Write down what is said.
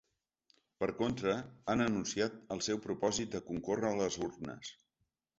Per contra, han anunciat ‘el seu propòsit de concórrer a les urnes’.